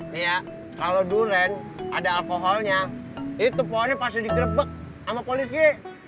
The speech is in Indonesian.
nih ya kalau durian ada alkoholnya itu pohonnya pasti digrebek sama polisi